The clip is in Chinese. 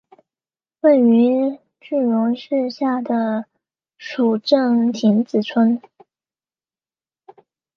位于句容市下蜀镇亭子村。